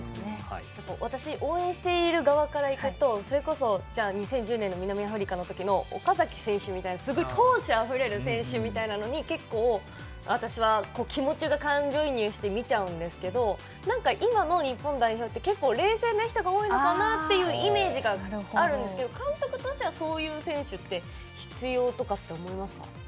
応援している側から言うとそれこそ、２０１０年の南アフリカの時の岡崎選手みたいな闘志あふれる選手に私は気持ちが感情移入して見ちゃうんですが今の日本代表って結構、冷静な人が多いのかなというイメージがあるんですけど監督としては、そういう選手は必要だと思いますか？